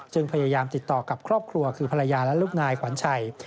พยายามติดต่อกับครอบครัวคือภรรยาและลูกนายขวัญชัย